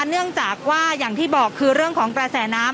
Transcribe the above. เนื่องจากว่าอย่างที่บอกคือเรื่องของกระแสน้ำ